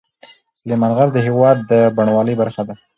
سلیمان غر د هېواد د بڼوالۍ برخه ده.